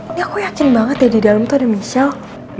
ini aku yakin banget ya di dalam tuh ada michelle